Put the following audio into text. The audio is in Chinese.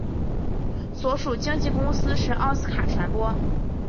所属经纪公司是奥斯卡传播。